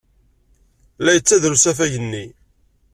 La yettader usafag-nni.